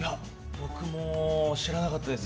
僕も知らなかったです。